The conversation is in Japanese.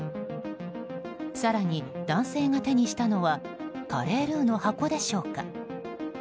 更に、男性が手にしたのはカレールーの箱でしょうか。